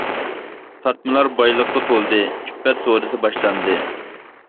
تارتمىلار بايلىققا تولدى، ئىپپەت سودىسى باشلاندى.